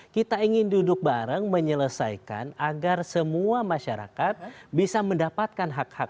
kita ingin duduk bareng menyelesaikan agar semua masyarakat bisa mendapatkan hak hak